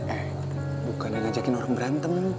eh bukan yang ngajakin orang berantem